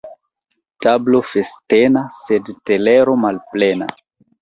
Tablo festena, sed telero malplena.